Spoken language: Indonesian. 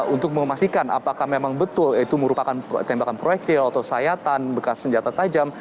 untuk memastikan apakah memang betul itu merupakan tembakan proyektil atau sayatan bekas senjata tajam